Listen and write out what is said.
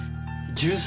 １３。